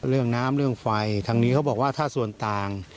เรื่องน้ำเรื่องไฟทางนี้เขาบอกว่าถ้าส่วนต่าง